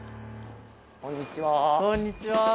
こんにちは。